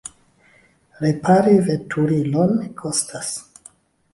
Repari veturilon kostas.